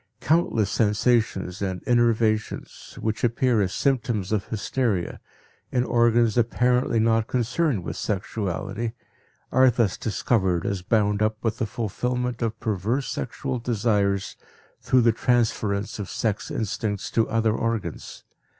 Countless sensations and innervations, which appear as symptoms of hysteria, in organs apparently not concerned with sexuality, are thus discovered as bound up with the fulfillment of perverse sexual desires through the transference of sex instincts to other organs.